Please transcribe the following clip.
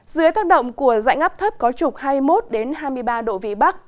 dưới thấp động của dạng ngắp thấp có trục hai mươi một hai mươi ba độ vĩ bắc